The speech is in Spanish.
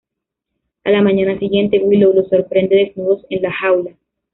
A la mañana siguiente Willow los sorprende desnudos en la jaula.